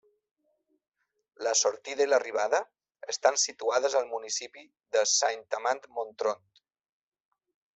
La sortida i l'arribada estan situades al municipi de Saint-Amand-Montrond.